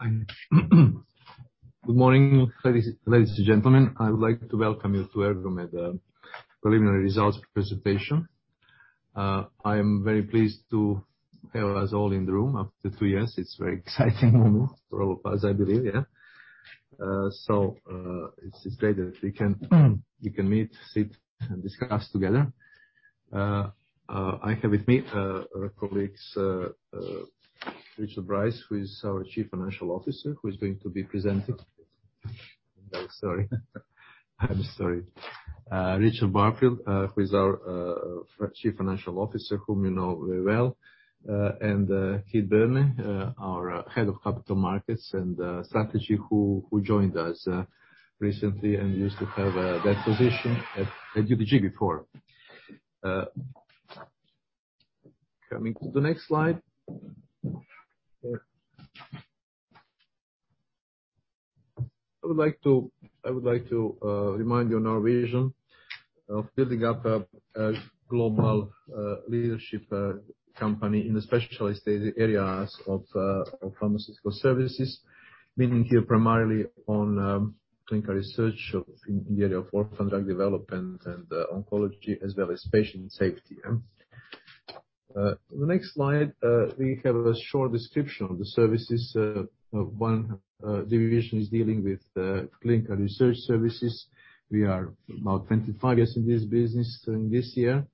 Good morning, ladies and gentlemen. I would like to welcome you to Ergomed preliminary results presentation. I am very pleased to have us all in the room after two years. It's very exciting for all of us, I believe, yeah. It's great that we can meet, sit, and discuss together. I have with me our colleagues, Richard Barfield, who is our Chief Financial Officer, who's going to be presenting. I'm very sorry. Richard Barfield, who is our Chief Financial Officer, whom you know very well, and Keith Byrne, our Head of Capital Markets and Strategy who joined us recently and used to have that position at UDG before. Coming to the next slide. I would like to remind you on our vision of building up a global leadership company in the specialized areas of pharmaceutical services, meaning here primarily on clinical research in the area of orphan drug development and oncology as well as patient safety. The next slide, we have a short description of the services. One division is dealing with clinical research services. We are about 25 years in this business during this year.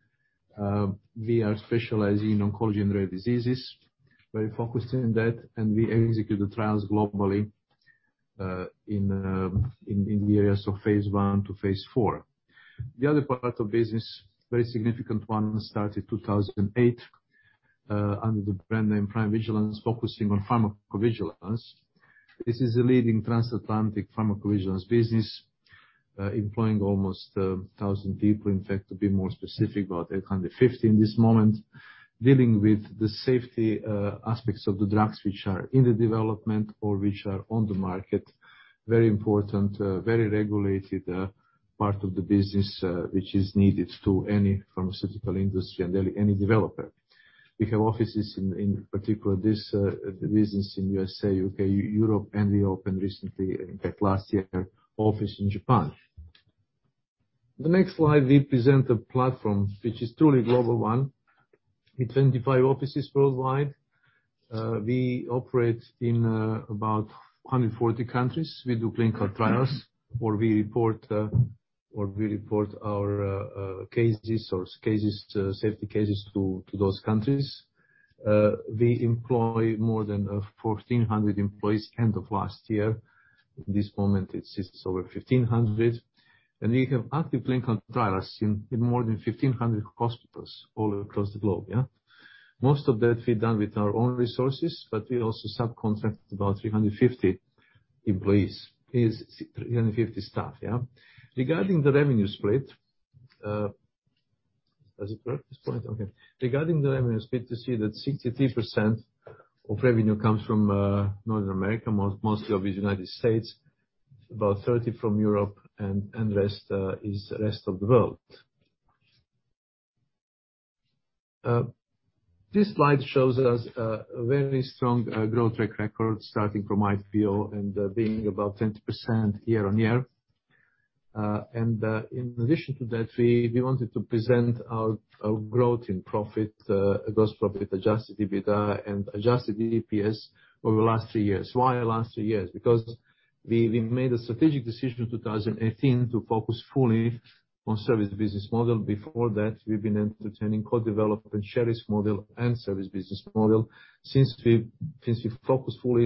We are specializing in oncology and rare diseases, very focused in that, and we execute the trials globally in the areas of phase I to phase IV. The other part of business, very significant one, started 2008 under the brand name PrimeVigilance, focusing on pharmacovigilance. This is a leading transatlantic pharmacovigilance business, employing almost 1,000 people. In fact, to be more specific, about 850 in this moment, dealing with the safety aspects of the drugs which are in the development or which are on the market. Very important, very regulated part of the business, which is needed to any pharmaceutical industry and any developer. We have offices in particular this business in U.S., U.K., Europe, and we opened recently, in fact last year, office in Japan. The next slide represent a platform which is truly global one. With 25 offices worldwide, we operate in about 140 countries. We do clinical trials where we report our cases or safety cases to those countries. We employ more than 1,400 employees end of last year. At this moment it sits over 1,500. We have active clinical trials in more than 1,500 hospitals all across the globe. Most of that we've done with our own resources, but we also subcontract about 350 staff. Regarding the revenue split, does it work this point? Okay. Regarding the revenue split, you see that 63% of revenue comes from North America, most of it is United States, about 30% from Europe, and rest is rest of the world. This slide shows us a very strong growth record starting from IPO and being about 20% year-on-year. In addition to that, we wanted to present our growth in profit, gross profit, Adjusted EBITDA, and adjusted EPS over the last 3 years. Why last 3 years? Because we made a strategic decision in 2018 to focus fully on service business model. Before that, we've been entertaining co-development, share risk model, and service business model. Since we focus fully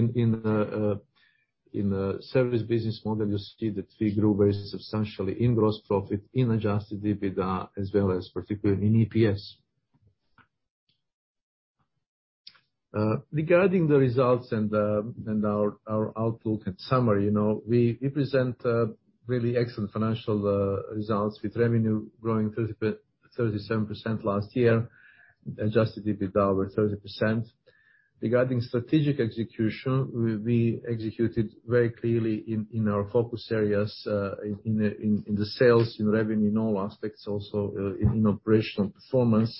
in the service business model, you see that we grew very substantially in gross profit, in Adjusted EBITDA, as well as particularly in EPS. Regarding the results and our outlook and summary, you know, we present really excellent financial results with revenue growing 37% last year, Adjusted EBITDA over 30%. Regarding strategic execution, we executed very clearly in our focus areas, in sales, in revenue, in all aspects, also in operational performance.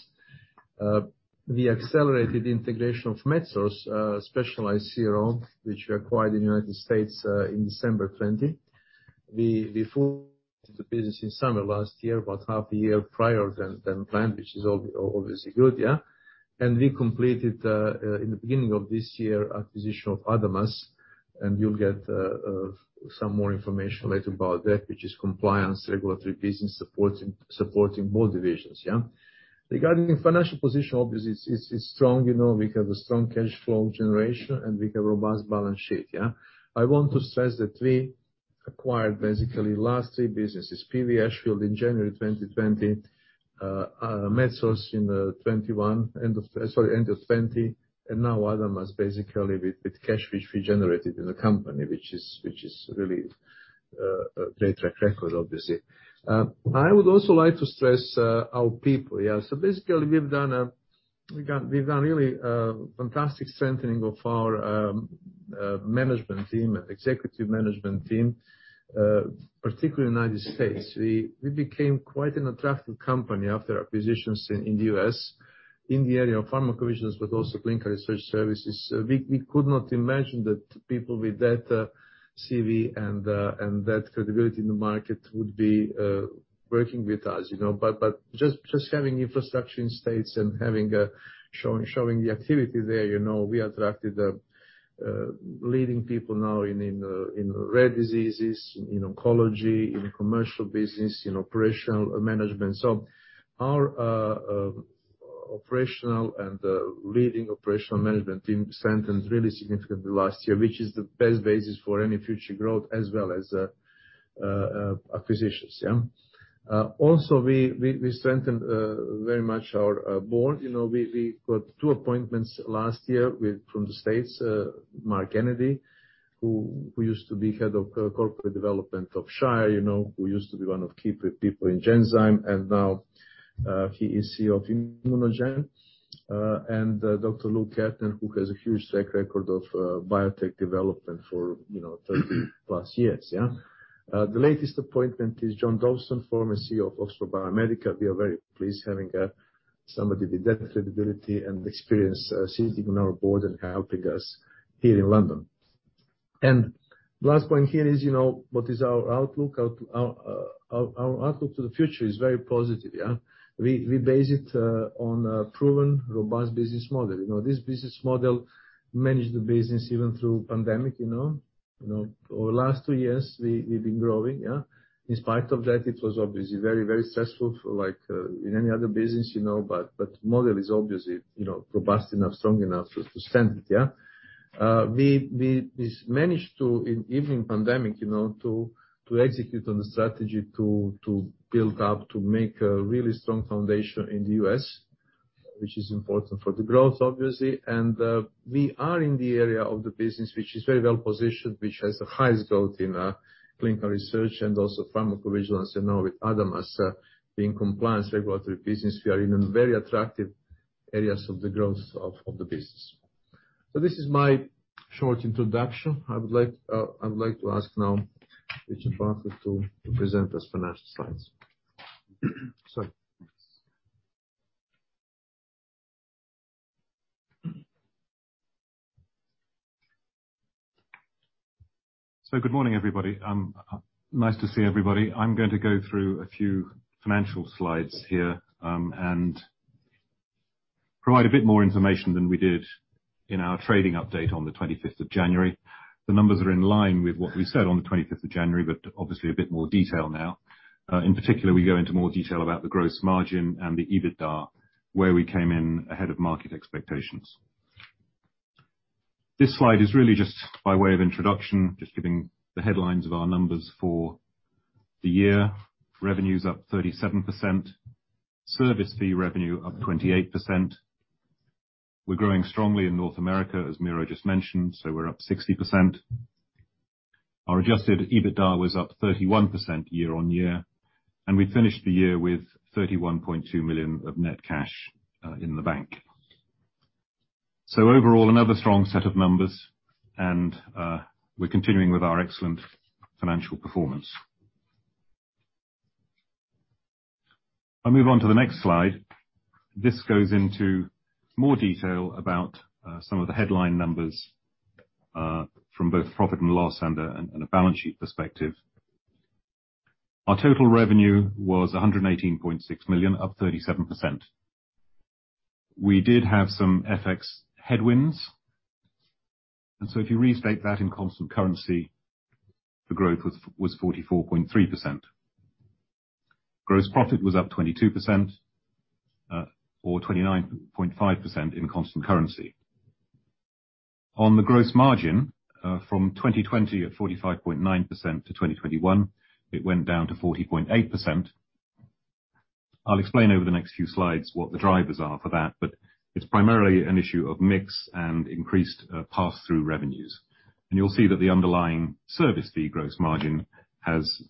We accelerated the integration of MedSource, specialized CRO, which we acquired in the United States, in December 2020. We fully integrated the business in summer last year, about half a year prior than planned, which is obviously good. We completed in the beginning of this year acquisition of ADAMAS, and you'll get some more information later about that, which is compliance, regulatory business supporting both divisions. Regarding the financial position, obviously it's strong. You know, we have a strong cash flow generation, and we have robust balance sheet. I want to stress that we acquired basically last three businesses, Ashfield PV in January 2020, MedSource in end of 2020, and now ADAMAS basically with cash which we generated in the company, which is really great record obviously. I would also like to stress our people, yeah. Basically we've done really fantastic strengthening of our management team and executive management team, particularly United States. We became quite an attractive company after acquisitions in the U.S. in the area of pharmacovigilance, but also clinical research services. We could not imagine that people with that CV and that credibility in the market would be working with us, you know. Just having infrastructure in the States and showing the activity there, you know, we attracted leading people now in rare diseases, in oncology, in commercial business, in operational management. Our operational and leading operational management team strengthened really significantly last year, which is the best basis for any future growth as well as acquisitions, yeah. Also we strengthened very much our board. You know, we got two appointments last year from the States. Mark Enyedy, who used to be head of corporate development of Shire, you know, who used to be one of key people in Genzyme, and now he is CEO of ImmunoGen. And Lou Katt, who has a huge track record of biotech development for, you know, 30+ years, yeah. The latest appointment is John Dawson, former CEO of Oxford Biomedica. We are very pleased having somebody with that credibility and experience sitting on our board and helping us here in London. Last point here is, you know, what is our outlook. Our outlook to the future is very positive, yeah. We base it on a proven, robust business model. You know, this business model managed the business even through pandemic, you know. You know, over the last 2 years, we've been growing, yeah. In spite of that, it was obviously very, very stressful for like in any other business, you know, but model is obviously, you know, robust enough, strong enough to stand it, yeah. We managed to, even in pandemic, you know, to execute on the strategy to build up to make a really strong foundation in the U.S., which is important for the growth obviously. We are in the area of the business which is very well positioned, which has the highest growth in clinical research and also pharmacovigilance, you know, with ADAMAS being compliance regulatory business, we are in a very attractive areas of the growth of the business. This is my short introduction. I would like to ask now Richard Barfield to present us financial slides. Sorry. Good morning, everybody. Nice to see everybody. I'm going to go through a few financial slides here, and provide a bit more information than we did in our trading update on January 25. The numbers are in line with what we said on January 25, but obviously a bit more detail now. In particular, we go into more detail about the gross margin and the EBITDA, where we came in ahead of market expectations. This slide is really just by way of introduction, just giving the headlines of our numbers for the year. Revenue's up 37%. Service fee revenue up 28%. We're growing strongly in North America, as Miro just mentioned, so we're up 60%. Our adjusted EBITDA was up 31% year-on-year, and we finished the year with 31.2 million of net cash in the bank. Overall, another strong set of numbers, and we're continuing with our excellent financial performance. I'll move on to the next slide. This goes into more detail about some of the headline numbers from both profit and loss and a balance sheet perspective. Our total revenue was 118.6 million, up 37%. We did have some FX headwinds, and so if you restate that in constant currency, the growth was 44.3%. Gross profit was up 22%, or 29.5% in constant currency. On the gross margin from 2020 at 45.9% to 2021, it went down to 40.8%. I'll explain over the next few slides what the drivers are for that, but it's primarily an issue of mix and increased pass-through revenues. You'll see that the underlying service fee gross margin has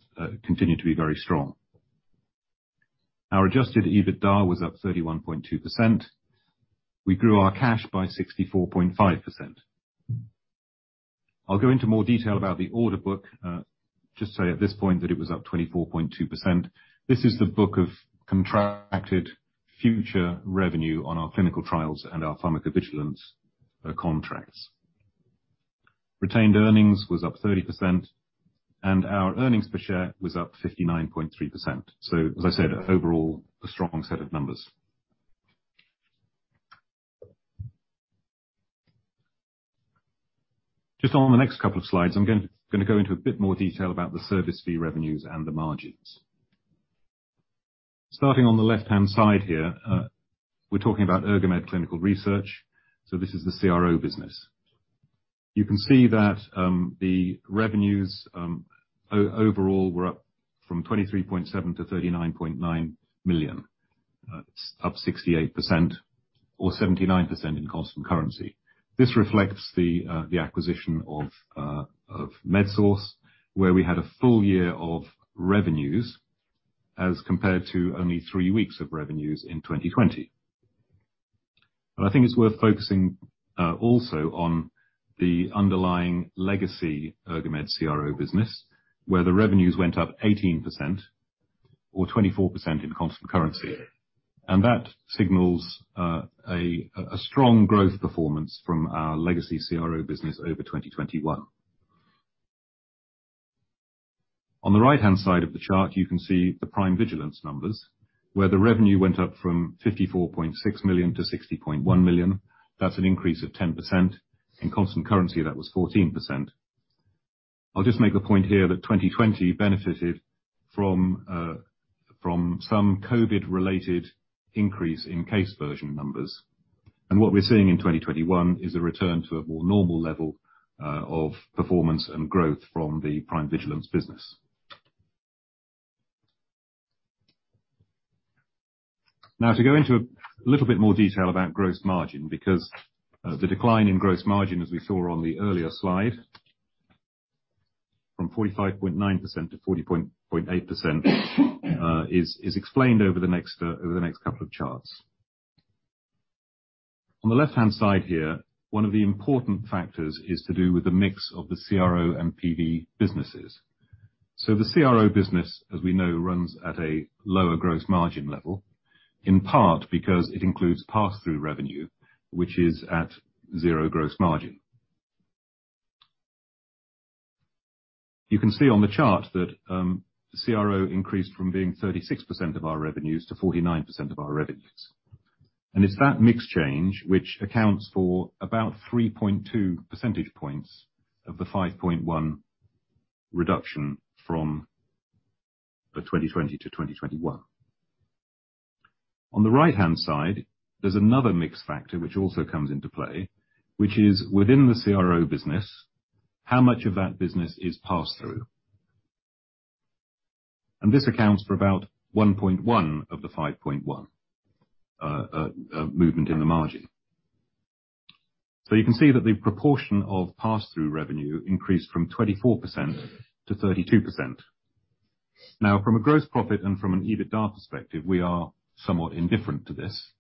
continued to be very strong. Our Adjusted EBITDA was up 31.2%. We grew our cash by 64.5%. I'll go into more detail about the order book. Just tell you at this point that it was up 24.2%. This is the book of contracted future revenue on our clinical trials and our pharmacovigilance contracts. Retained earnings was up 30%, and our earnings per share was up 59.3%. As I said, overall, a strong set of numbers. Just on the next couple of slides, I'm gonna go into a bit more detail about the service fee revenues and the margins. Starting on the left-hand side here, we're talking about Ergomed Clinical Research. This is the CRO business. You can see that, the revenues, overall were up from 23.7 million to 39.9 million. Up 68% or 79% in constant currency. This reflects the acquisition of MedSource, where we had a full year of revenues as compared to only three weeks of revenues in 2020. I think it's worth focusing, also on the underlying legacy Ergomed CRO business, where the revenues went up 18% or 24% in constant currency. That signals a strong growth performance from our legacy CRO business over 2021. On the right-hand side of the chart, you can see the PrimeVigilance numbers, where the revenue went up from 54.6 million to 60.1 million. That's an increase of 10%. In constant currency, that was 14%. I'll just make the point here that 2020 benefited from some COVID-related increase in case volume numbers. What we're seeing in 2021 is a return to a more normal level of performance and growth from the PrimeVigilance business. Now to go into a little bit more detail about gross margin, because the decline in gross margin, as we saw on the earlier slide, from 45.9% to 40.8%, is explained over the next couple of charts. On the left-hand side here, one of the important factors is to do with the mix of the CRO and PV businesses. The CRO business, as we know, runs at a lower gross margin level, in part because it includes pass-through revenue, which is at zero gross margin. You can see on the chart that CRO increased from being 36% of our revenues to 49% of our revenues. It's that mix change which accounts for about 3.2 percentage points of the 5.1 reduction from 2020 to 2021. On the right-hand side, there's another mix factor which also comes into play, which is within the CRO business, how much of that business is pass-through. This accounts for about 1.1 of the 5.1 movement in the margin. You can see that the proportion of pass-through revenue increased from 24% to 32%. Now, from a gross profit and from an EBITDA perspective, we are somewhat indifferent to this.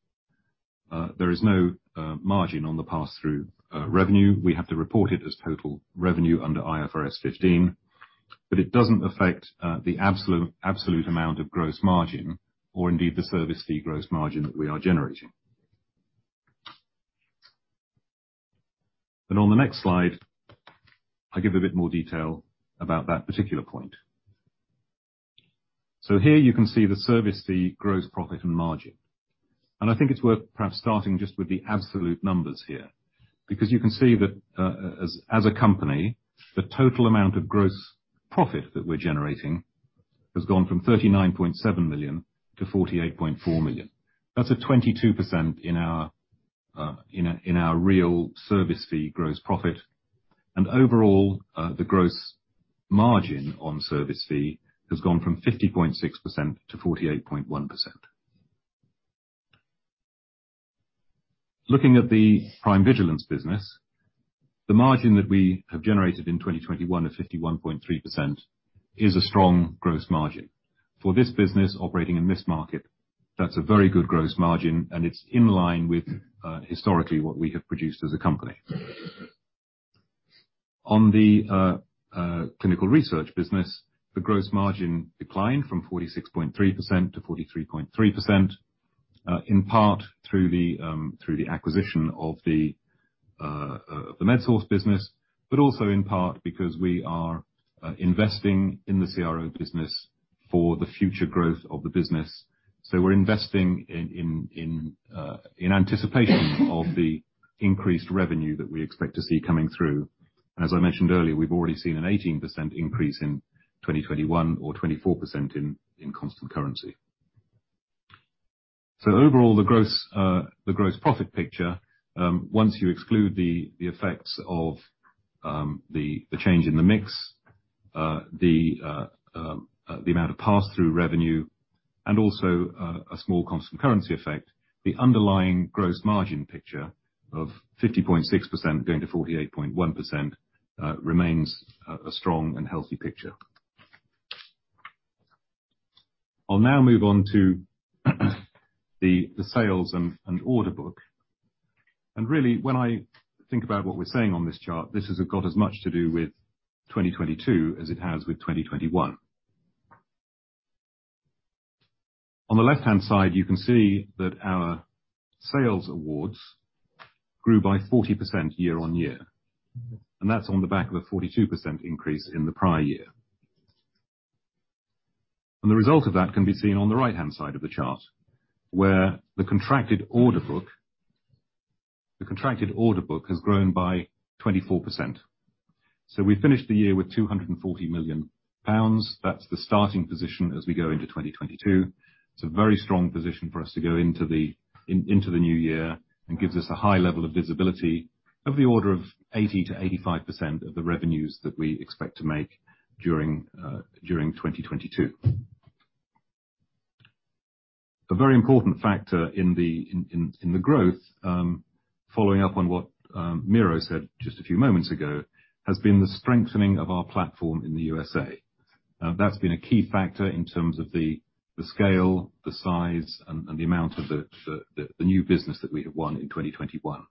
There is no margin on the pass-through revenue. We have to report it as total revenue under IFRS 15, but it doesn't affect the absolute amount of gross margin, or indeed the service fee gross margin that we are generating. On the next slide, I give a bit more detail about that particular point. Here you can see the service fee gross profit and margin. I think it's worth perhaps starting just with the absolute numbers here, because you can see that, as a company, the total amount of gross profit that we're generating has gone from 39.7 million to 48.4 million. That's a 22% increase in our service fee gross profit. Overall, the gross margin on service fee has gone from 50.6% to 48.1%. Looking at the PrimeVigilance business, the margin that we have generated in 2021 of 51.3% is a strong gross margin. For this business operating in this market, that's a very good gross margin, and it's in line with historically what we have produced as a company. On the clinical research business, the gross margin declined from 46.3% to 43.3%, in part through the acquisition of the MedSource business, but also in part because we are investing in the CRO business for the future growth of the business. We're investing in anticipation of the increased revenue that we expect to see coming through. As I mentioned earlier, we've already seen an 18% increase in 2021 or 24% in constant currency. Overall, the gross profit picture, once you exclude the effects of the change in the mix, the amount of pass-through revenue and also a small constant currency effect, the underlying gross margin picture of 50.6% going to 48.1% remains a strong and healthy picture. I'll now move on to the sales and order book. Really, when I think about what we're saying on this chart, this has got as much to do with 2022 as it has with 2021. On the left-hand side, you can see that our sales awards grew by 40% year-on-year, and that's on the back of a 42% increase in the prior year. The result of that can be seen on the right-hand side of the chart, where the contracted order book has grown by 24%. We finished the year with 240 million pounds. That's the starting position as we go into 2022. It's a very strong position for us to go into the new year and gives us a high level of visibility of the order of 80%-85% of the revenues that we expect to make during 2022. A very important factor in the growth, following up on what Miro said just a few moments ago, has been the strengthening of our platform in the USA. Now, that's been a key factor in terms of the scale, the size, and the amount of the new business that we have won in 2021.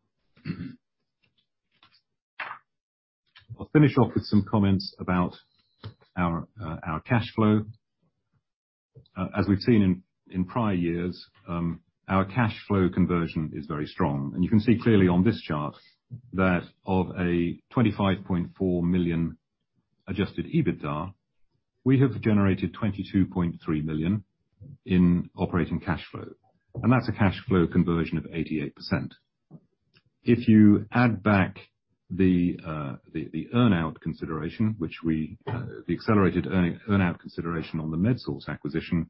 I'll finish off with some comments about our cash flow. As we've seen in prior years, our cash flow conversion is very strong. You can see clearly on this chart that of a 25.4 million Adjusted EBITDA, we have generated 22.3 million in operating cash flow. That's a cash flow conversion of 88%. If you add back the earn-out consideration, which is the accelerated earn-out consideration on the MedSource acquisition,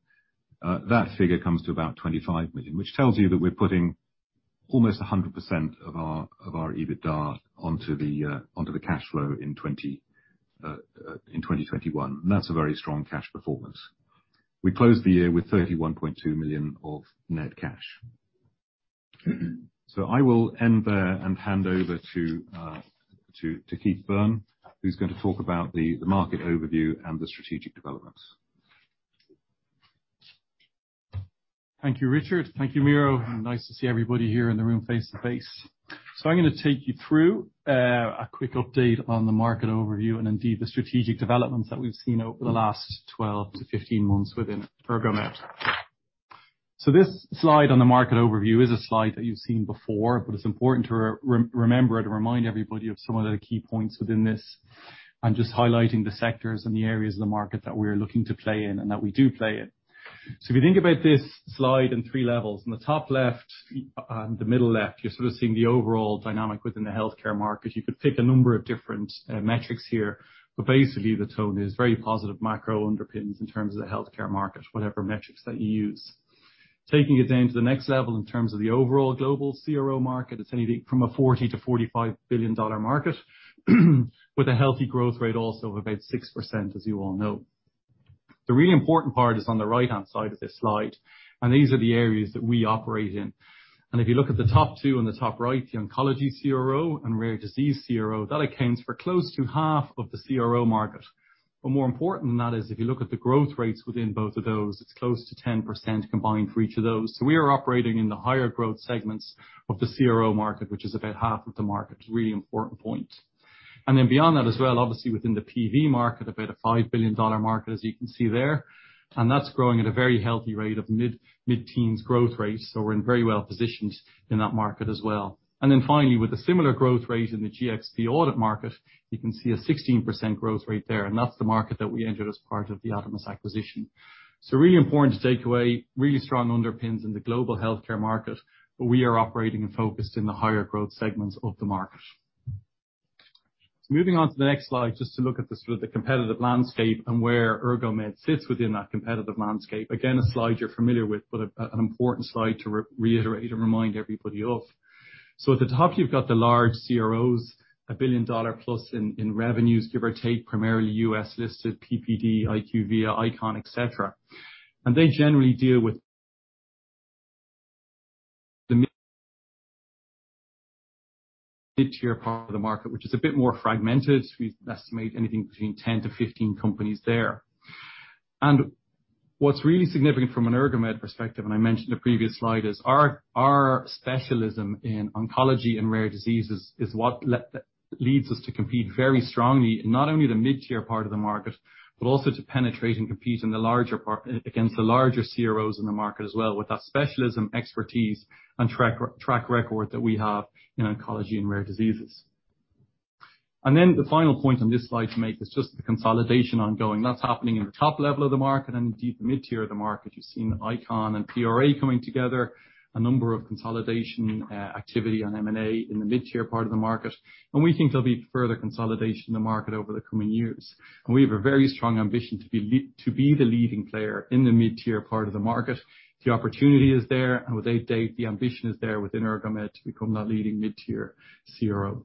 that figure comes to about 25 million, which tells you that we're putting almost 100% of our EBITDA onto the cash flow in 2021. That's a very strong cash performance. We closed the year with 31.2 million of net cash. I will end there and hand over to Keith Byrne, who's gonna talk about the market overview and the strategic developments. Thank you, Richard. Thank you, Miro. Nice to see everybody here in the room face to face. I'm gonna take you through a quick update on the market overview, and indeed, the strategic developments that we've seen over the last 12-15 months within Ergomed. This slide on the market overview is a slide that you've seen before, but it's important to remember it to remind everybody of some of the key points within this, and just highlighting the sectors and the areas of the market that we're looking to play in and that we do play in. If you think about this slide in 3 levels, in the top left and the middle left, you're sort of seeing the overall dynamic within the healthcare market. You could pick a number of different metrics here, but basically, the tone is very positive macro underpins in terms of the healthcare market, whatever metrics that you use. Taking it down to the next level in terms of the overall global CRO market, it's anything from a $40 billion-$45 billion market with a healthy growth rate also of about 6%, as you all know. The really important part is on the right-hand side of this slide, and these are the areas that we operate in. If you look at the top two on the top right, the oncology CRO and rare disease CRO, that accounts for close to half of the CRO market. More important than that is if you look at the growth rates within both of those, it's close to 10% combined for each of those. We are operating in the higher growth segments of the CRO market, which is about half of the market. It's a really important point. Beyond that as well, obviously within the PV market, about a $5 billion market, as you can see there. That's growing at a very healthy rate of mid-teens growth rates. We're in very well positioned in that market as well. Finally, with a similar growth rate in the GXP audit market, you can see a 16% growth rate there. That's the market that we entered as part of the ADAMAS acquisition. Really important to take away really strong underpins in the global healthcare market, but we are operating and focused in the higher growth segments of the market. Moving on to the next slide just to look at the sort of the competitive landscape and where Ergomed sits within that competitive landscape. Again, a slide you're familiar with, but an important slide to reiterate and remind everybody of. At the top, you've got the large CROs. $1 billion+ in revenues, give or take, primarily U.S. listed PPD, IQVIA, ICON, etc. They generally deal with the mid-tier part of the market, which is a bit more fragmented. We estimate anything between 10-15 companies there. What's really significant from an Ergomed perspective, and I mentioned in a previous slide, is our specialism in oncology and rare diseases is what leads us to compete very strongly, not only in the mid-tier part of the market, but also to penetrate and compete in the larger part. against the larger CROs in the market as well with that specialism, expertise, and track record that we have in oncology and rare diseases. Then the final point on this slide to make is just the consolidation ongoing. That's happening in the top level of the market and indeed the mid-tier of the market. You've seen ICON and PRA coming together. A number of consolidation activity on M&A in the mid-tier part of the market. We think there'll be further consolidation in the market over the coming years. We have a very strong ambition to be the leading player in the mid-tier part of the market. The opportunity is there, and without doubt, the ambition is there within Ergomed to become that leading mid-tier CRO.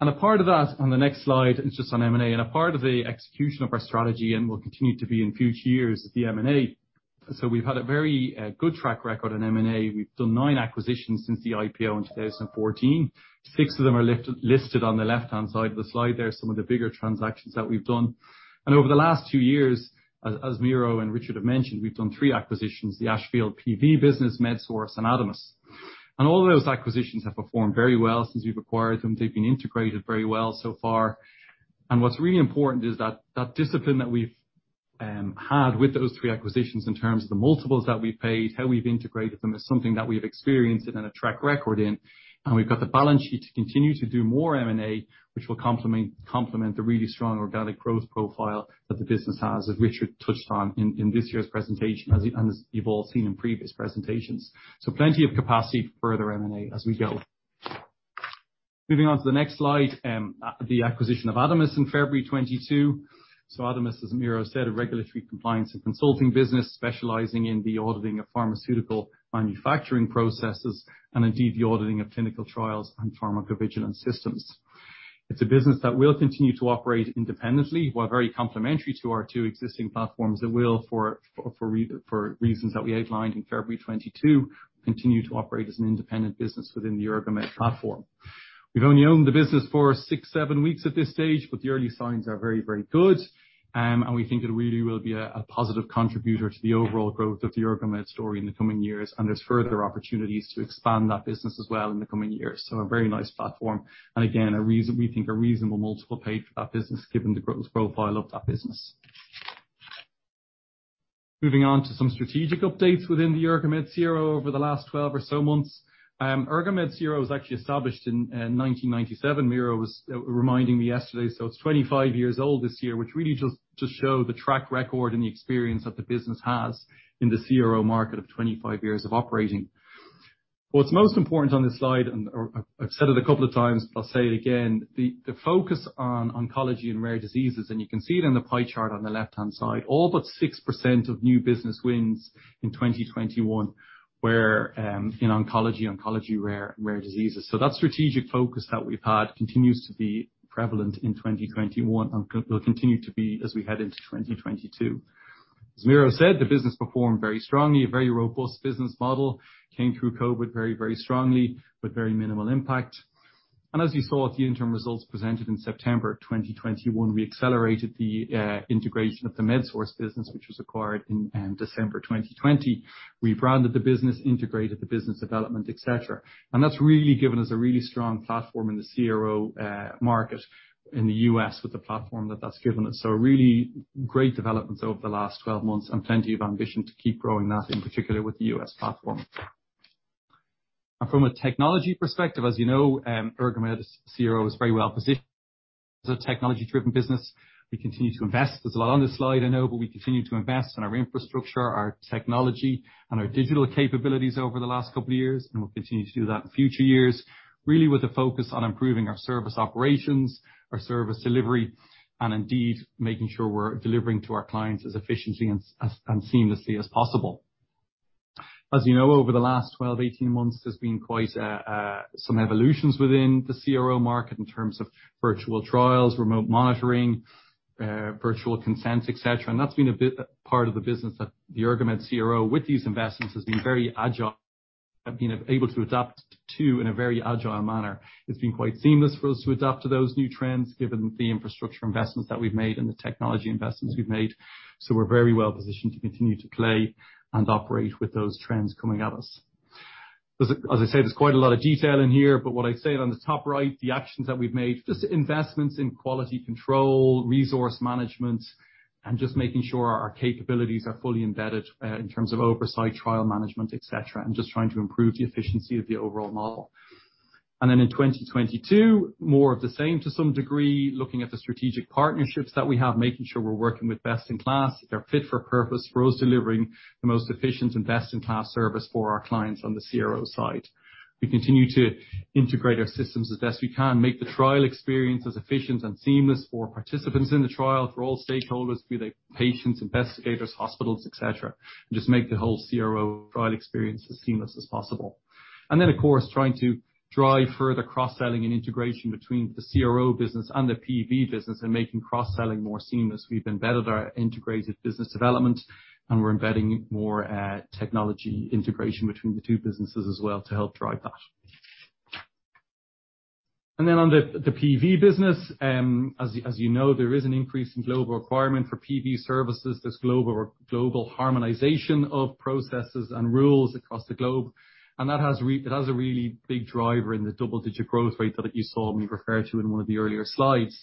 A part of that on the next slide is just on M&A. A part of the execution of our strategy and will continue to be in future years is the M&A. We've had a very good track record in M&A. We've done 9 acquisitions since the IPO in 2014. 6 of them are listed on the left-hand side of the slide there, some of the bigger transactions that we've done. Over the last 2 years, as Miro and Richard have mentioned, we've done 3 acquisitions, the Ashfield PV business, MedSource, and ADAMAS. All of those acquisitions have performed very well since we've acquired them. They've been integrated very well so far. What's really important is that discipline that we've had with those 3 acquisitions in terms of the multiples that we've paid, how we've integrated them, is something that we've experienced and have a track record in. We've got the balance sheet to continue to do more M&A, which will complement the really strong organic growth profile that the business has, as Richard touched on in this year's presentation, as you've all seen in previous presentations. Plenty of capacity for further M&A as we go. Moving on to the next slide, the acquisition of ADAMAS in February 2022. ADAMAS, as Miro said, a regulatory compliance and consulting business specializing in the auditing of pharmaceutical manufacturing processes and indeed the auditing of clinical trials and pharmacovigilance systems. It's a business that will continue to operate independently, while very complementary to our two existing platforms, that will, for reasons that we outlined in February 2022, continue to operate as an independent business within the Ergomed platform. We've only owned the business for 6-7 weeks at this stage, but the early signs are very, very good. We think it really will be a positive contributor to the overall growth of the Ergomed story in the coming years. There's further opportunities to expand that business as well in the coming years. A very nice platform. Again, a reason, we think a reasonable multiple paid for that business given the growth profile of that business. Moving on to some strategic updates within the Ergomed CRO over the last 12 or so months. Ergomed CRO was actually established in 1997. Miro was reminding me yesterday, so it's 25 years old this year, which really just shows the track record and the experience that the business has in the CRO market of 25 years of operating. What's most important on this slide, and I've said it a couple of times, I'll say it again, the focus on oncology and rare diseases, and you can see it in the pie chart on the left-hand side. All but 6% of new business wins in 2021 were in oncology rare diseases. That strategic focus that we've had continues to be prevalent in 2021 and will continue to be as we head into 2022. As Miro said, the business performed very strongly, a very robust business model, came through COVID very strongly with very minimal impact. As you saw at the interim results presented in September 2021, we accelerated the integration of the MedSource business which was acquired in December 2020. We branded the business, integrated the business development, et cetera. That's really given us a really strong platform in the CRO market in the U.S. with the platform that has given us. Really great developments over the last 12 months and plenty of ambition to keep growing that in particular with the U.S. platform. From a technology perspective, as you know, Ergomed CRO is very well-positioned. As a technology driven business, we continue to invest. There's a lot on this slide, I know, but we continue to invest in our infrastructure, our technology and our digital capabilities over the last couple of years, and we'll continue to do that in future years. Really with a focus on improving our service operations, our service delivery, and indeed making sure we're delivering to our clients as efficiently and seamlessly as possible. As you know, over the last 12-18 months, there's been quite some evolutions within the CRO market in terms of virtual trials, remote monitoring, virtual consenting, et cetera. That's been a big part of the business that the Ergomed CRO with these investments has been very agile at being able to adapt to in a very agile manner. It's been quite seamless for us to adapt to those new trends given the infrastructure investments that we've made and the technology investments we've made. We're very well positioned to continue to play and operate with those trends coming at us. As I say, there's quite a lot of detail in here, but what I say on the top right, the actions that we've made, just investments in quality control, resource management, and just making sure our capabilities are fully embedded in terms of oversight, trial management, et cetera, and just trying to improve the efficiency of the overall model. Then in 2022, more of the same to some degree, looking at the strategic partnerships that we have, making sure we're working with best in class, they're fit for purpose for us delivering the most efficient and best in class service for our clients on the CRO side. We continue to integrate our systems as best we can. Make the trial experience as efficient and seamless for participants in the trial, for all stakeholders, be they patients, investigators, hospitals, et cetera, and just make the whole CRO trial experience as seamless as possible. Of course, trying to drive further cross-selling and integration between the CRO business and the PV business and making cross-selling more seamless. We've embedded our integrated business development and we're embedding more, technology integration between the two businesses as well to help drive that. On the PV business, as you know, there is an increase in global requirement for PV services. There's global harmonization of processes and rules across the globe. That has a really big driver in the double-digit growth rate that you saw me refer to in one of the earlier slides.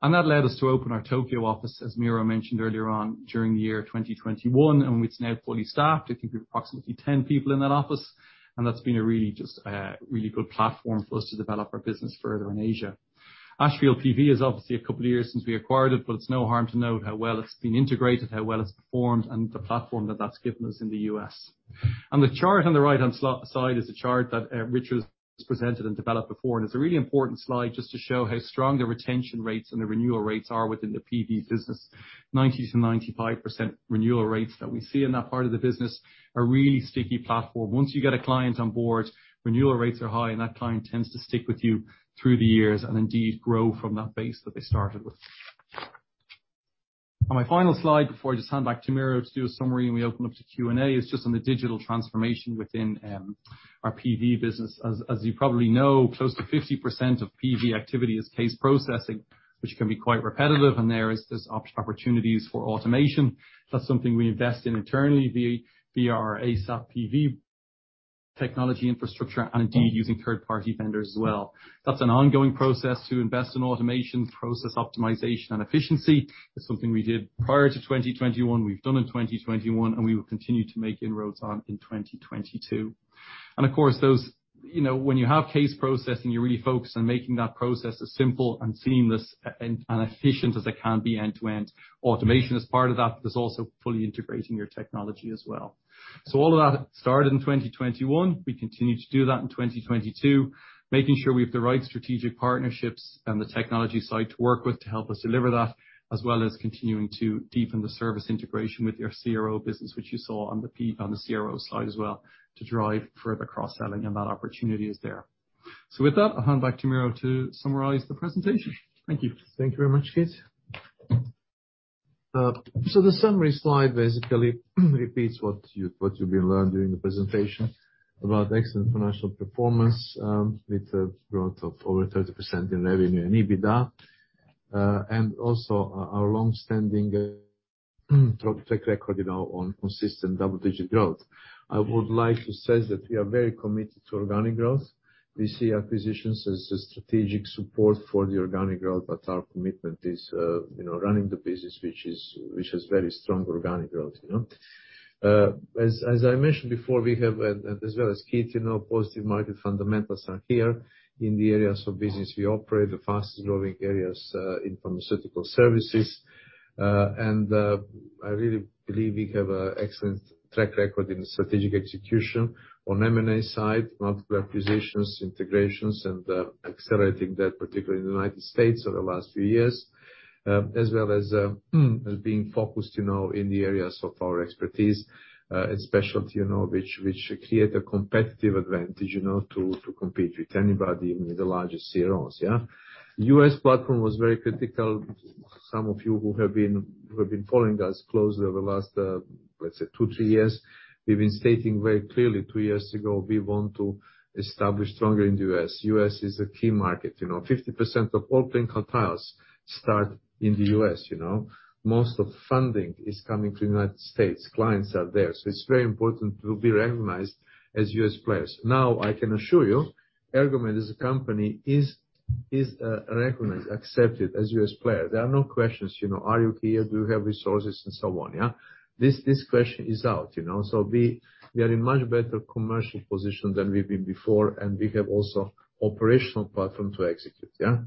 That led us to open our Tokyo office, as Miro mentioned earlier on, during the year 2021, and it's now fully staffed. I think we have approximately 10 people in that office. That's been a really good platform for us to develop our business further in Asia. Ashfield PV is obviously a couple of years since we acquired it, but it's no harm to note how well it's been integrated, how well it's performed, and the platform that that's given us in the US. The chart on the right-hand slide is a chart that Richard's presented and developed before. It's a really important slide just to show how strong the retention rates and the renewal rates are within the PV business. 90%-95% renewal rates that we see in that part of the business are really sticky platform. Once you get a client on board, renewal rates are high and that client tends to stick with you through the years and indeed grow from that base that they started with. On my final slide before I just hand back to Miro to do a summary and we open up to Q&A, is just on the digital transformation within our PV business. As you probably know, close to 50% of PV activity is case processing, which can be quite repetitive and there is just opportunities for automation. That's something we invest in internally via our ASAP PV technology infrastructure and indeed using third-party vendors as well. That's an ongoing process to invest in automation, process optimization and efficiency. It's something we did prior to 2021, we've done in 2021, and we will continue to make inroads on in 2022. Of course, those you know, when you have case processing, you really focus on making that process as simple and seamless and efficient as it can be end-to-end. Automation is part of that, but it's also fully integrating your technology as well. All of that started in 2021. We continue to do that in 2022, making sure we have the right strategic partnerships and the technology side to work with to help us deliver that, as well as continuing to deepen the service integration with your CRO business, which you saw on the CRO side as well to drive further cross-selling and that opportunity is there. With that, I'll hand back to Miro to summarize the presentation. Thank you. Thank you very much, Keith. The summary slide basically repeats what you've learned during the presentation about excellent financial performance with a growth of over 30% in revenue and EBITDA. Also our longstanding track record, you know, on consistent double-digit growth. I would like to say that we are very committed to organic growth. We see acquisitions as a strategic support for the organic growth, but our commitment is, you know, running the business which has very strong organic growth, you know. As I mentioned before, we have, as well as Keith, you know, positive market fundamentals are here in the areas of business we operate, the fastest-growing areas in pharmaceutical services. I really believe we have an excellent track record in strategic execution on M&A side, multiple acquisitions, integrations and accelerating that, particularly in the United States over the last few years. As well as being focused, you know, in the areas of our expertise, in specialty, you know, which create a competitive advantage, you know, to compete with anybody, even the largest CROs, yeah. U.S. platform was very critical. Some of you who have been following us closely over the last, let's say two, three years, we've been stating very clearly two years ago, we want to establish stronger in the U.S. U.S. is a key market, you know. 50% of all clinical trials start in the U.S., you know. Most of funding is coming to the United States. Clients are there. It's very important to be recognized as U.S. players. Now, I can assure you, Ergomed as a company is recognized, accepted as US player. There are no questions, you know, are you here? Do you have resources? And so on, yeah. This question is out, you know. We are in much better commercial position than we've been before, and we have also operational platform to execute, yeah.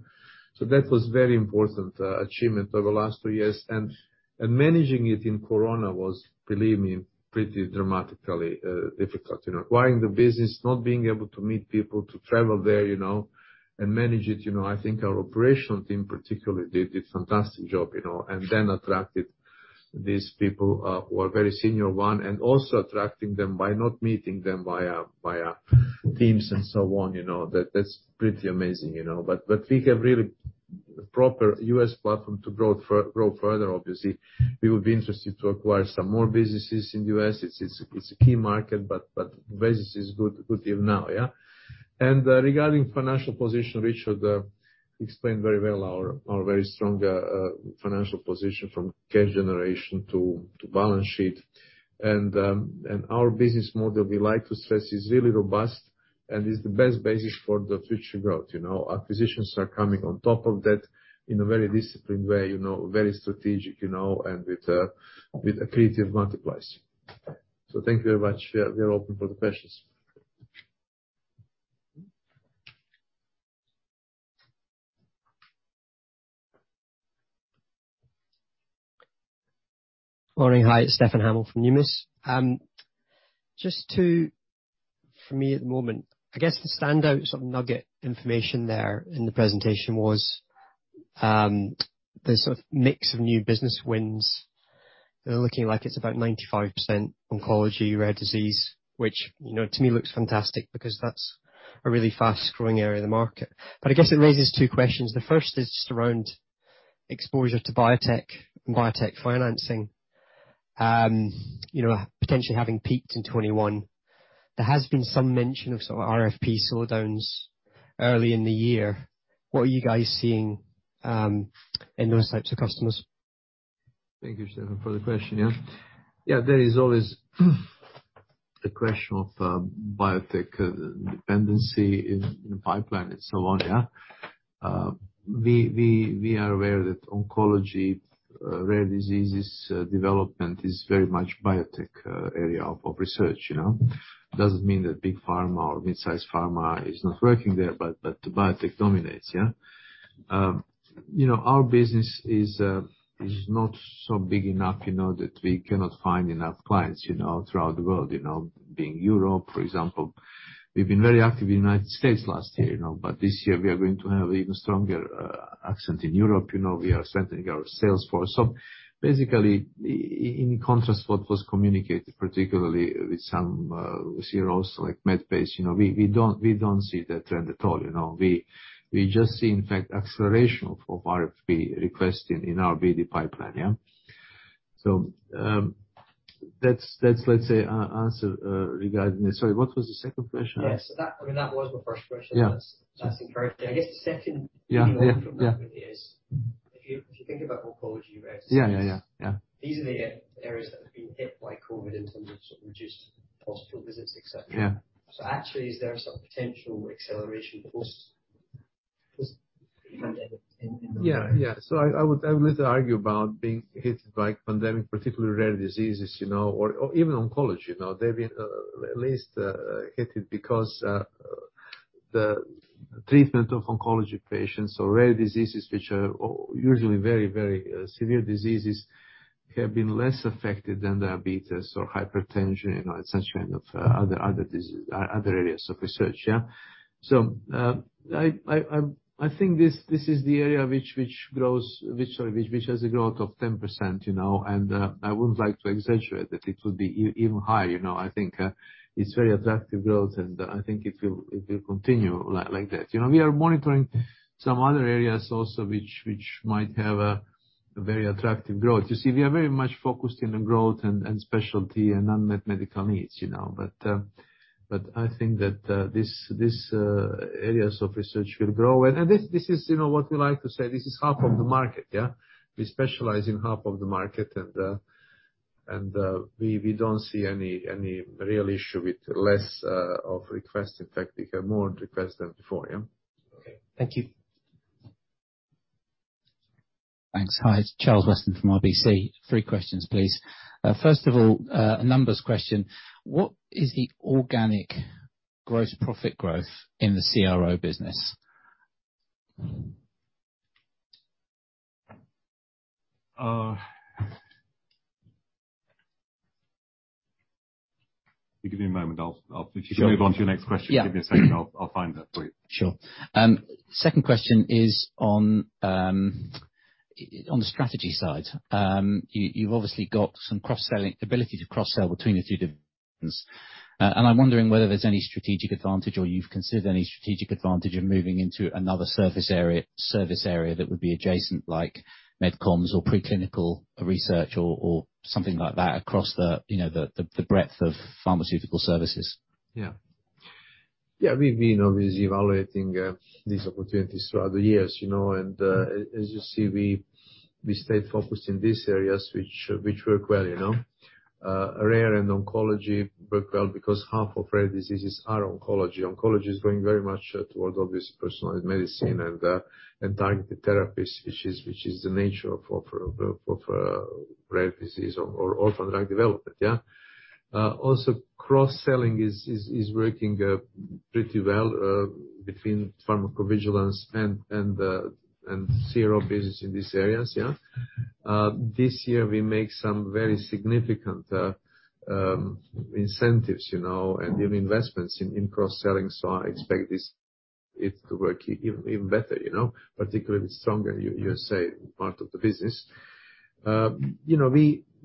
That was very important achievement over the last two years. Managing it in Corona was, believe me, pretty dramatically difficult. You know, acquiring the business, not being able to meet people, to travel there, you know, and manage it, you know. I think our operational team particularly did a fantastic job, you know. Then attracted these people who are very senior ones, and also attracting them by not meeting them via Teams and so on, you know. That's pretty amazing, you know. We have really proper US platform to grow further, obviously. We would be interested to acquire some more businesses in the U.S. It's a key market, but business is good even now, yeah. Regarding financial position, Richard explained very well our very strong financial position from cash generation to balance sheet. Our business model, we like to stress, is really robust and is the best basis for the future growth, you know. Acquisitions are coming on top of that in a very disciplined way, you know, very strategic, you know, and with accretive multiples. Thank you very much. We are open for the questions. Morning. Hi, it's Stefan Hamill from Numis. For me at the moment, I guess the standout sort of nugget information there in the presentation was the sort of mix of new business wins. They're looking like it's about 95% oncology, rare disease, which, you know, to me looks fantastic because that's a really fast-growing area of the market. I guess it raises two questions. The first is just around exposure to biotech and biotech financing. You know, potentially having peaked in 2021. There has been some mention of sort of RFP slowdowns early in the year. What are you guys seeing in those types of customers? Thank you, Stefan, for the question. Yeah, there is always the question of biotech dependency in the pipeline and so on, yeah. We are aware that oncology, rare diseases development is very much biotech area of research, you know. Doesn't mean that big pharma or mid-sized pharma is not working there, but the biotech dominates, yeah. You know, our business is not so big enough that we cannot find enough clients, you know, throughout the world, you know. But in Europe, for example. We've been very active in the United States last year, you know, but this year we are going to have even stronger accent in Europe. You know, we are centering our sales force. Basically in contrast to what was communicated, particularly with some CROs like Medpace, you know, we don't see that trend at all, you know. We just see, in fact, acceleration of RFP requesting in our BD pipeline, yeah. That's let's say answer regarding this. Sorry, what was the second question? Yes. I mean, that was my first question. Yeah. That's encouraging. I guess the second Yeah. key thing from that really is if you think about oncology, rare disease. Yeah, yeah. Yeah. These are the areas that have been hit by COVID in terms of sort of reduced hospital visits, et cetera. Yeah. Actually, is there some potential acceleration post pandemic in those areas? I would argue about being hit by the pandemic, particularly rare diseases, you know, or even oncology, you know. They've been hit less because the treatment of oncology patients or rare diseases, which are usually very severe diseases, have been less affected than diabetes or hypertension, you know, et cetera, and other areas of research, yeah. I think this is the area which has a growth of 10%, you know, and I wouldn't like to exaggerate that it will be even higher, you know. I think it's very attractive growth, and I think it will continue like that. You know, we are monitoring some other areas also which might have a very attractive growth. You see, we are very much focused on growth in specialty and unmet medical needs, you know. I think that these areas of research will grow. This is, you know, what we like to say, this is half of the market, yeah. We specialize in half of the market and we don't see any real issue with less requests. In fact, we get more requests than before, yeah. Okay. Thank you. Thanks. Hi, it's Charles Weston from RBC. Three questions, please. First of all, a numbers question. What is the organic gross profit growth in the CRO business? Give me a moment. Sure. If you can move on to your next question. Yeah. Give me a second. I'll find that for you. Sure. Second question is on the strategy side. You've obviously got some cross-selling ability to cross-sell between the two divisions. I'm wondering whether there's any strategic advantage or you've considered any strategic advantage of moving into another service area that would be adjacent like MedComms or preclinical research or something like that across the, you know, the breadth of pharmaceutical services. Yeah. Yeah. We've been obviously evaluating these opportunities throughout the years, you know. As you see, we stayed focused in these areas which work well, you know. Rare and oncology work well because half of rare diseases are oncology. Oncology is going very much towards obviously personalized medicine and targeted therapies, which is the nature of rare disease or orphan drug development, yeah. Also cross-selling is working pretty well between pharmacovigilance and CRO business in these areas, yeah. This year we make some very significant incentives, you know, and new investments in cross-selling, so I expect it to work even better, you know. Particularly with stronger USA part of the business. You know,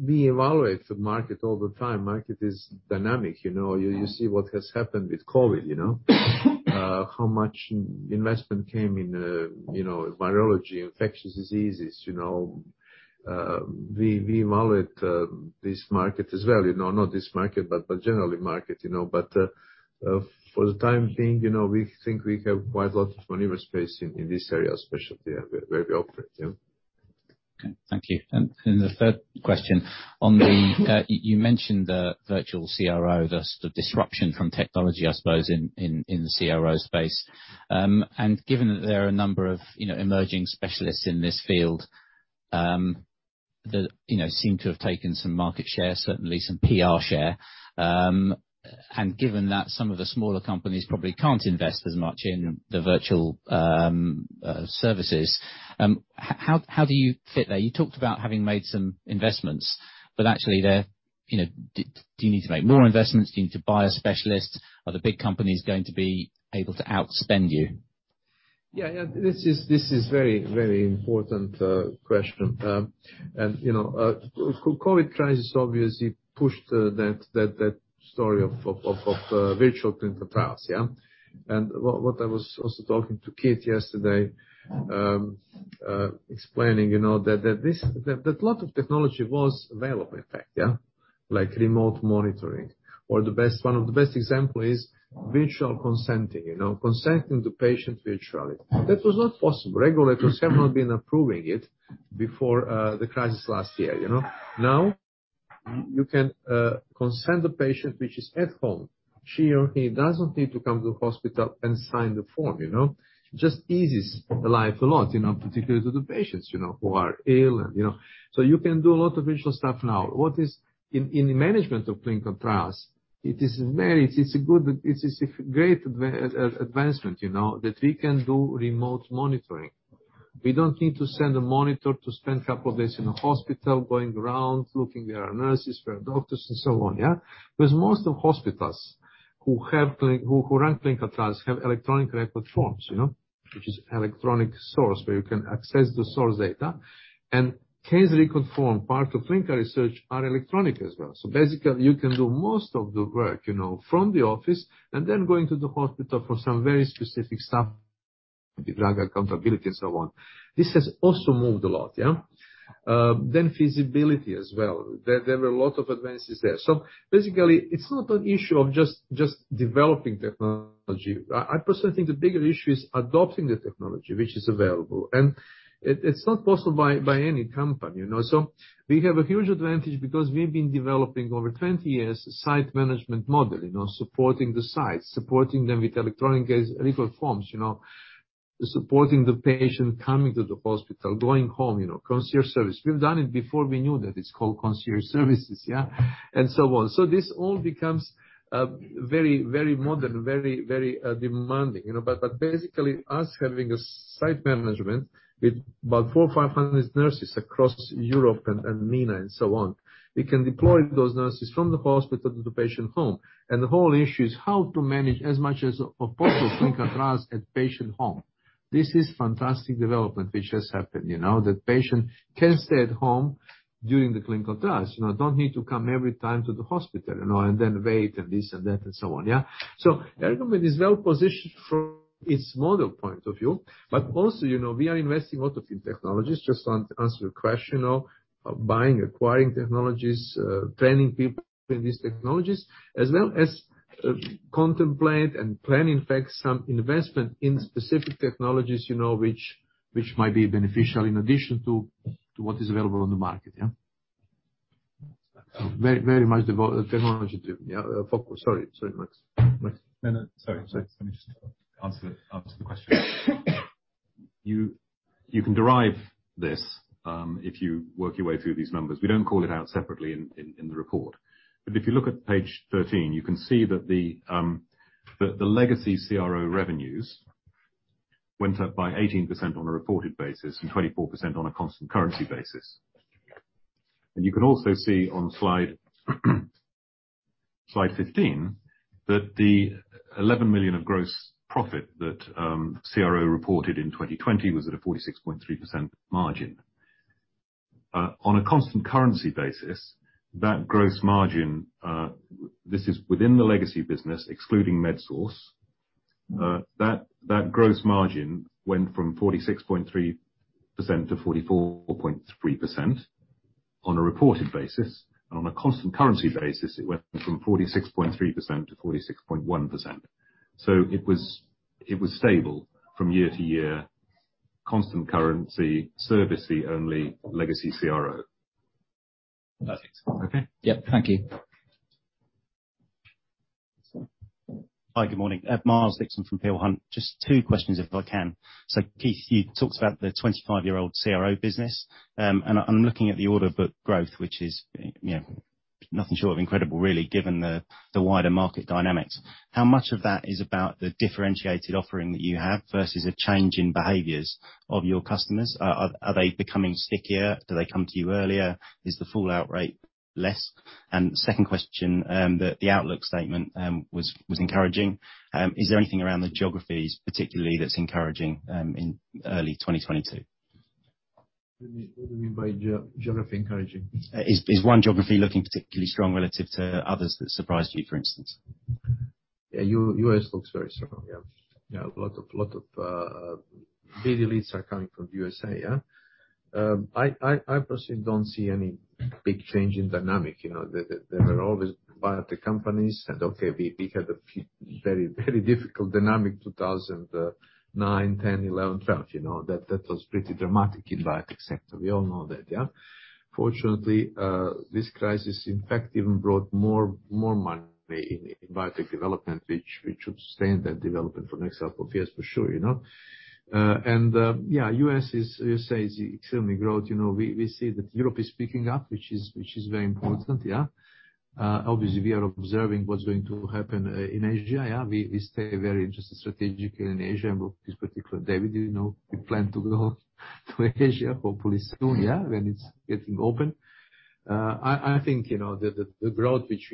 we evaluate the market all the time. Market is dynamic. You know, you see what has happened with COVID, you know. How much investment came in, you know, virology, infectious diseases, you know. We evaluate this market as well, you know. Not this market, but generally market, you know. For the time being, you know, we think we have quite a lot of maneuver space in this area, especially where we operate, yeah. Okay, thank you. The third question. On the virtual CRO you mentioned, the disruption from technology, I suppose, in the CRO space. Given that there are a number of you know emerging specialists in this field that you know seem to have taken some market share, certainly some PR share. Given that some of the smaller companies probably can't invest as much in the virtual services, how do you fit there? You talked about having made some investments, but actually there, you know, do you need to make more investments? Do you need to buy a specialist? Are the big companies going to be able to outspend you? Yeah. This is very important question. You know, COVID crisis obviously pushed that story of virtual clinical trials, yeah. What I was also talking to Keith yesterday, explaining, you know, that a lot of technology was available in fact, yeah. Like remote monitoring, or the best example is virtual consenting, you know. Consenting the patient virtually was not possible. Regulators have not been approving it before the crisis last year, you know. Now, you can consent the patient which is at home. She or he doesn't need to come to the hospital and sign the form, you know. It just eases life a lot, you know, particularly to the patients, you know, who are ill and, you know. You can do a lot of virtual stuff now. In the management of clinical trials, it is a great advancement, you know, that we can do remote monitoring. We don't need to send a monitor to spend a couple of days in a hospital, going around, looking where are nurses, where are doctors and so on, yeah. Because most of hospitals who run clinical trials have electronic case report forms, you know. Which is electronic source where you can access the source data. And case report form, part of clinical research, are electronic as well. Basically, you can do most of the work, you know, from the office, and then going to the hospital for some very specific stuff, like drug accountability and so on. This has also moved a lot, yeah. Feasibility as well. There were a lot of advances there. Basically, it's not an issue of just developing technology. I personally think the bigger issue is adopting the technology which is available. It's not possible by any company, you know. We have a huge advantage because we've been developing over 20 years, site management model, you know, supporting the sites. Supporting them with electronic case report forms, you know. Supporting the patient coming to the hospital, going home, you know, concierge service. We've done it before we knew that it's called concierge services, yeah, and so on. This all becomes very modern, very demanding, you know. Basically, us having a site management with about 400 or 500 nurses across Europe and MENA and so on, we can deploy those nurses from the hospital to the patient home. The whole issue is how to manage as much as possible clinical trials at patient home. This is fantastic development which has happened, you know, that patient can stay at home during the clinical trials, you know, don't need to come every time to the hospital, you know, and then wait, and this and that and so on, yeah? Ergomed is well-positioned from its model point of view. Also, you know, we are investing a lot of new technologies. just want to answer your question of buying, acquiring technologies, training people in these technologies, as well as contemplate and plan, in fact, some investment in specific technologies, you know, which might be beneficial in addition to what is available on the market, yeah. Very much technology driven, yeah, focused. Sorry, Max. No. Sorry. Let me just answer the question. You can derive this if you work your way through these numbers. We don't call it out separately in the report. If you look at page 13, you can see that the legacy CRO revenues went up by 18% on a reported basis and 24% on a constant currency basis. You can also see on slide 15 that the £11 million of gross profit that CRO reported in 2020 was at a 46.3% margin. On a constant currency basis, that gross margin, this is within the legacy business excluding MedSource, that gross margin went from 46.3% to 44.3% on a reported basis. On a constant currency basis, it went from 46.3% to 46.1%. It was stable from year to year, constant currency, service fee only legacy CRO. Perfect. Okay? Yep. Thank you. Hi, good morning. Miles Dixon from Peel Hunt. Just two questions if I can. Keith, you talked about the 25-year-old CRO business. I'm looking at the order book growth, which is, you know, nothing short of incredible really given the wider market dynamics. How much of that is about the differentiated offering that you have versus a change in behaviors of your customers? Are they becoming stickier? Do they come to you earlier? Is the fallout rate less? Second question, the outlook statement was encouraging. Is there anything around the geographies particularly that's encouraging in early 2022? What do you mean by geography encouraging? Is one geography looking particularly strong relative to others that surprised you, for instance? Yeah. U.S. looks very strong, yeah. Yeah, a lot of big leads are coming from USA, yeah? I personally don't see any big change in dynamic. You know, there were always biotech companies, and okay, we had a few very difficult dynamic 2009, 2010, 2011, 2012. You know, that was pretty dramatic in biotech sector. We all know that, yeah? Fortunately, this crisis in fact even brought more money in biotech development, which would sustain that development for next couple years for sure, you know? Yeah, USA is extremely growth. You know, we see that Europe is picking up, which is very important, yeah? Obviously we are observing what's going to happen in Asia, yeah? We stay very interested strategically in Asia and with this particular deal, you know, we plan to go to Asia hopefully soon, yeah, when it's getting open. I think, you know, the growth which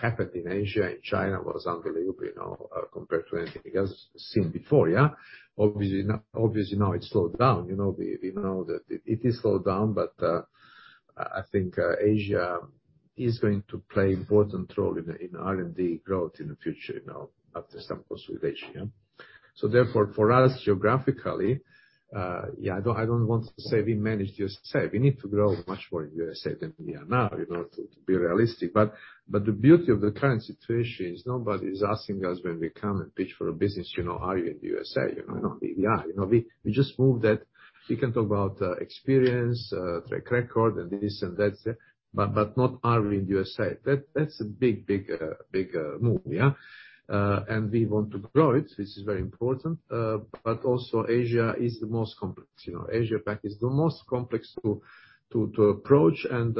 happened in Asia, in China was unbelievable, you know, compared to anything else seen before, yeah? Obviously now it's slowed down. You know, we know that it is slowed down, but I think Asia is going to play important role in R&D growth in the future, you know, after some consolidation, yeah? Therefore, for us geographically, yeah, I don't want to say we managed to save. We need to grow much more in USA than we are now, you know, to be realistic. The beauty of the current situation is nobody's asking us when we come and pitch for a business, you know, "Are you in the USA?" You know? We are. You know, we just moved that. We can talk about experience, track record and this and that, but not, "Are you in the USA?" That's a big move, yeah? We want to grow it. This is very important. Also Asia is the most complex. You know, Asia Pac is the most complex to approach, and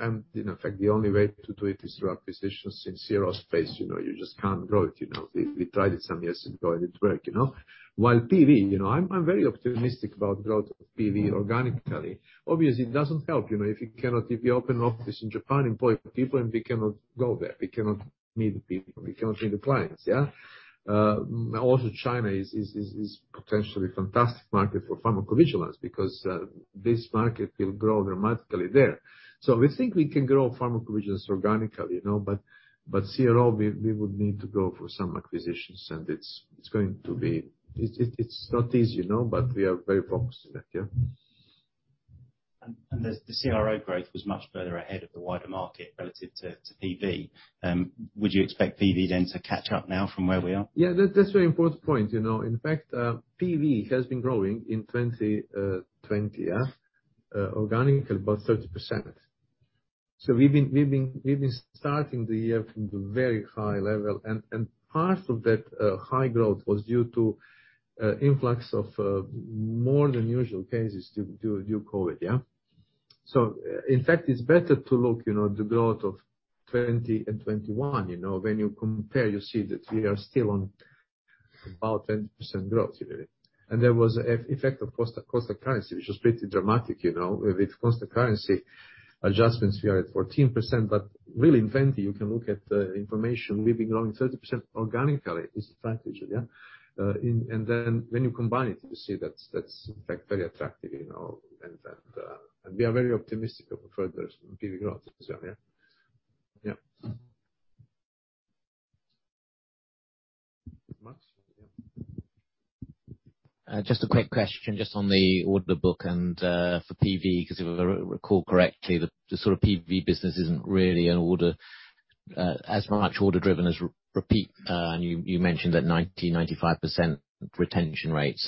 in effect the only way to do it is through acquisitions in CRO space. You know, you just can't grow it, you know. We tried it some years ago and it worked, you know. While PV, you know, I'm very optimistic about growth of PV organically. Obviously it doesn't help, you know, if you open office in Japan, employ people and we cannot go there, we cannot meet the people, we cannot meet the clients, yeah? Also China is potentially fantastic market for pharmacovigilance because this market will grow dramatically there. We think we can grow pharmacovigilance organically, you know, but CRO we would need to go for some acquisitions and it's going to be. It's not easy, you know? We are very focused in that, yeah. The CRO growth was much further ahead of the wider market relative to PV. Would you expect PV then to catch up now from where we are? That's a very important point, you know. In fact, PV has been growing in 20 organically about 30%. We've been starting the year from the very high level and part of that high growth was due to influx of more than usual cases due to COVID. It's better to look, you know, the growth of 2020 and 2021, you know. When you compare, you see that we are still on about 20% growth, you know. There was effect of currency, which was pretty dramatic, you know. With constant currency adjustments, we are at 14%, but really in the end, you can look at the information. We've been growing 30% organically this quarter. When you combine it, you see that's in fact very attractive, you know, and we are very optimistic of further PV growth. Is that right? Yeah. Max, yeah. Just a quick question on the order book and for PV, 'cause if I recall correctly, the sort of PV business isn't really as much order driven as repeat. You mentioned that 95% retention rate.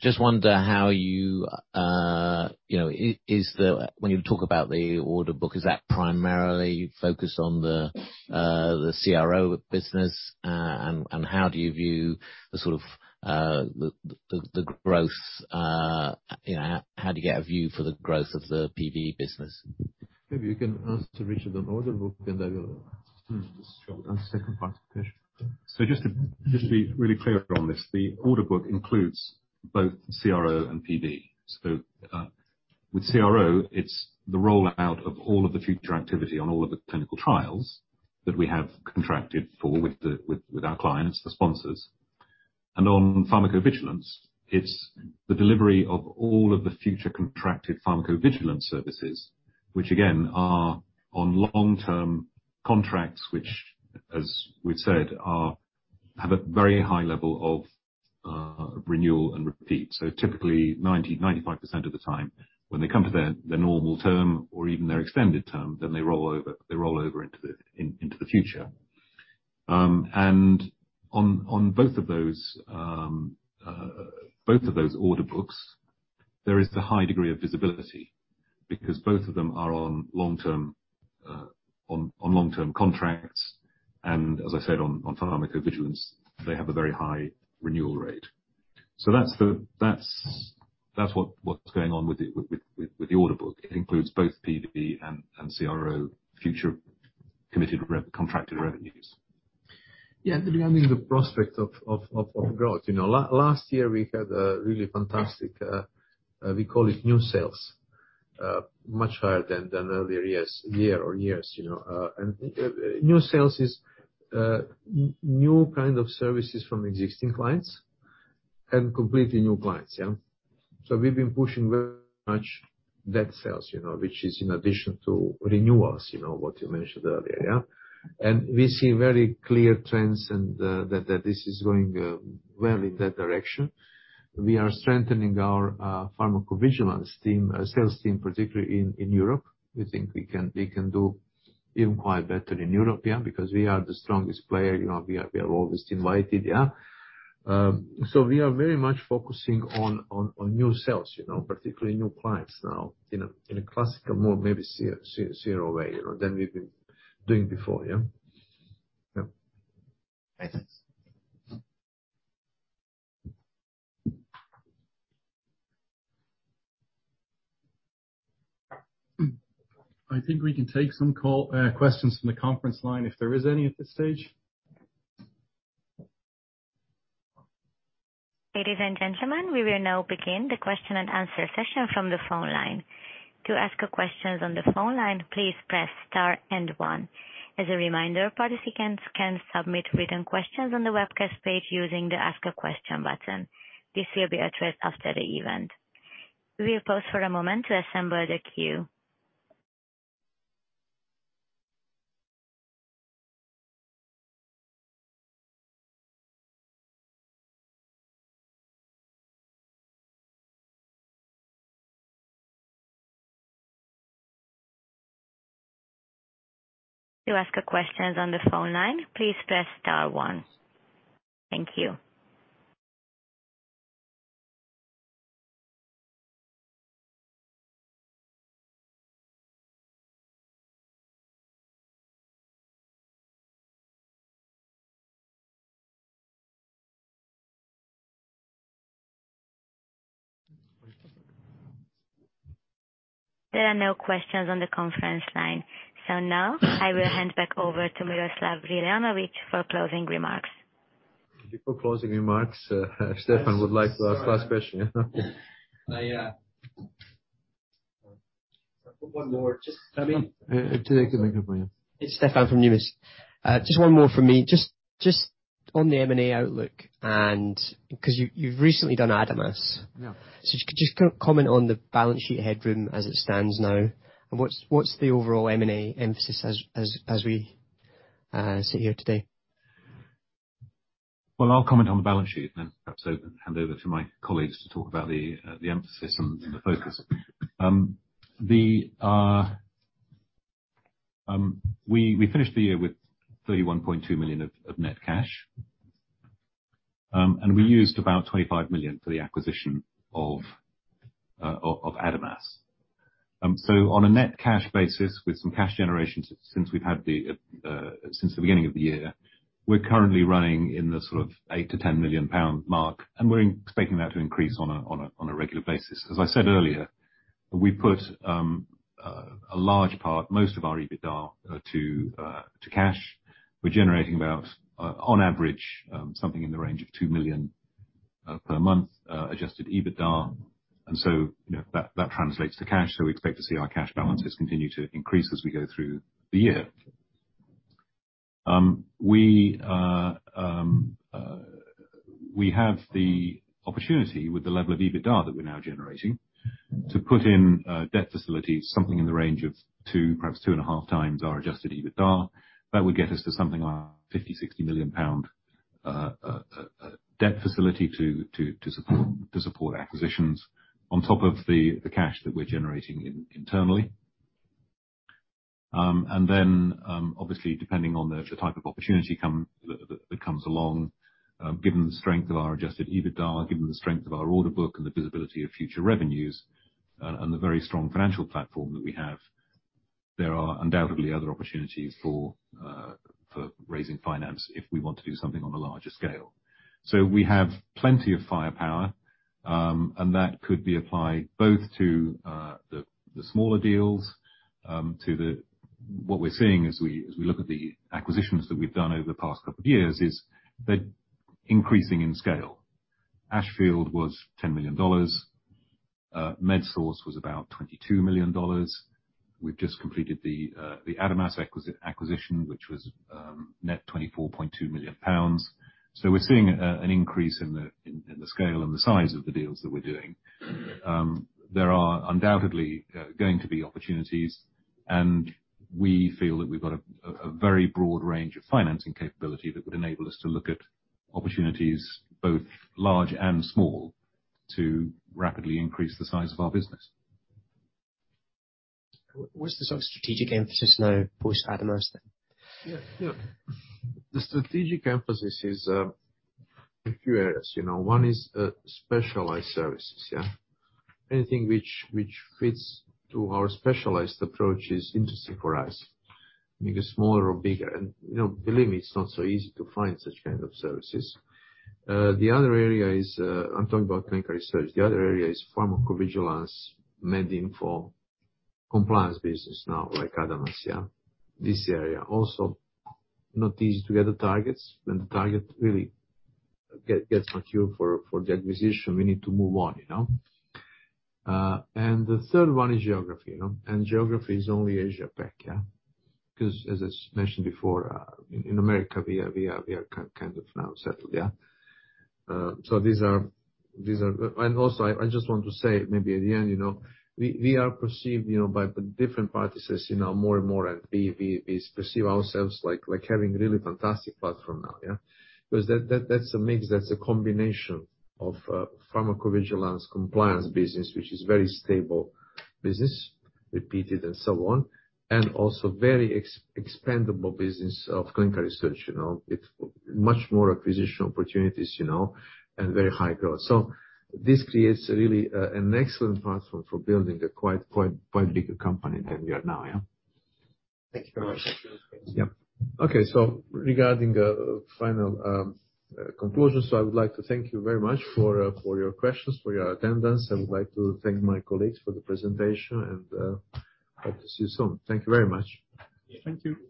Just wonder how you know, is the when you talk about the order book, is that primarily focused on the CRO business? And how do you view the sort of growth, you know, how do you get a view for the growth of the PV business? Maybe you can ask to Richard Barfield on order book and then second part of the question. Just to be really clear on this, the order book includes both CRO and PV. With CRO, it's the rollout of all of the future activity on all of the clinical trials that we have contracted for with our clients, the sponsors. On pharmacovigilance, it's the delivery of all of the future contracted pharmacovigilance services, which again are on long-term contracts, which as we've said have a very high level of renewal and repeat. Typically 90%-95% of the time when they come to their normal term or even their extended term, then they roll over into the future. On both of those order books, there is the high degree of visibility because both of them are on long-term contracts. As I said, on pharmacovigilance, they have a very high renewal rate. That's what's going on with the order book. It includes both PV and CRO future committed contracted revenues. Yeah. I mean, the prospect of growth. You know, last year we had a really fantastic, we call it new sales, much higher than earlier years, you know. New sales is new kind of services from existing clients and completely new clients, yeah. So we've been pushing very much that sales, you know, which is in addition to renewals, you know, what you mentioned earlier, yeah. We see very clear trends and that this is going well in that direction. We are strengthening our pharmacovigilance team, sales team, particularly in Europe. We think we can do even quite better in Europe, yeah, because we are the strongest player. You know, we are always invited, yeah. We are very much focusing on new sales, you know, particularly new clients now in a classical more maybe CRO way, you know, than we've been doing before, yeah. Makes sense. I think we can take some questions from the conference line if there is any at this stage. Ladies and gentlemen, we will now begin the question-and-answer session from the phone line. To ask a question on the phone line, please press star and one. As a reminder, participants can submit written questions on the webcast page using the Ask a Question button. This will be addressed after the event. We'll pause for a moment to assemble the queue. To ask a question on the phone line, please press star one. Thank you. There are no questions on the conference line. Now I will hand back over to Miroslav Reljanović for closing remarks. Before closing remarks, Stefan would like to ask last question. I, One more just- Take the microphone, yeah. It's Stefan from Numis. Just one more from me. Just on the M&A outlook and 'cause you've recently done ADAMAS. Yeah. Could you just comment on the balance sheet headroom as it stands now and what's the overall M&A emphasis as we sit here today? Well, I'll comment on the balance sheet and perhaps hand over to my colleagues to talk about the emphasis and the focus. We finished the year with 31.2 million of net cash. We used about 25 million for the acquisition of ADAMAS. On a net cash basis with some cash generation since the beginning of the year, we're currently running in the sort of 8-10 million pound mark, and we're expecting that to increase on a regular basis. As I said earlier. We put a large part, most of our EBITDA to cash. We're generating about, on average, something in the range of 2 million per month Adjusted EBITDA. You know, that translates to cash. We expect to see our cash balances continue to increase as we go through the year. We have the opportunity with the level of EBITDA that we're now generating to put in a debt facility, something in the range of 2, perhaps 2.5x our Adjusted EBITDA. That would get us to something like 50 million-60 million pound debt facility to support acquisitions on top of the cash that we're generating internally. Then, obviously, depending on the type of opportunity come That comes along, given the strength of our Adjusted EBITDA, given the strength of our order book and the visibility of future revenues, and the very strong financial platform that we have, there are undoubtedly other opportunities for raising finance if we want to do something on a larger scale. We have plenty of firepower, and that could be applied both to the smaller deals. What we're seeing as we look at the acquisitions that we've done over the past couple of years is they're increasing in scale. Ashfield was $10 million. MedSource was about $22 million. We've just completed the ADAMAS acquisition, which was net 24.2 million pounds. We're seeing an increase in the scale and the size of the deals that we're doing. There are undoubtedly going to be opportunities, and we feel that we've got a very broad range of financing capability that would enable us to look at opportunities, both large and small, to rapidly increase the size of our business. What's the sort of strategic emphasis now post ADAMAS then? Yeah. Yeah. The strategic emphasis is a few areas. You know, one is specialized services, yeah. Anything which fits to our specialized approach is interesting for us, maybe smaller or bigger. You know, believe me, it's not so easy to find such kind of services. The other area is, I'm talking about clinical research. The other area is pharmacovigilance, medical information, compliance business now, like ADAMAS, yeah. This area also not easy to get the targets. When the target really gets mature for the acquisition, we need to move on, you know. The third one is geography, you know, and geography is only Asia Pac, yeah. 'Cause as is mentioned before, in America, we are kind of now settled, yeah. These are. I just want to say maybe at the end, you know, we are perceived, you know, by the different participants, you know, more and more, and we perceive ourselves like having really fantastic platform now, yeah. Because that's a mix, that's a combination of pharmacovigilance compliance business, which is very stable business, repeated and so on, and also very expandable business of clinical research, you know. It's much more acquisition opportunities, you know, and very high growth. This creates really an excellent platform for building a quite bigger company than we are now, yeah. Thank you very much. Yeah. Okay. Regarding final conclusions, so I would like to thank you very much for your questions, for your attendance. I would like to thank my colleagues for the presentation and hope to see you soon. Thank you very much. Thank you.